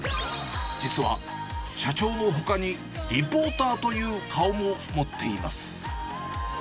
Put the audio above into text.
実は、社長のほかにリポーターという顔も持っています。